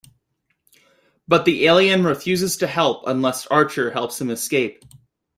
But the alien refuses to help unless Archer helps him escape.